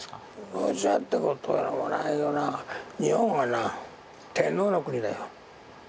どちらってこともないけどな日本はな天皇の国だよ。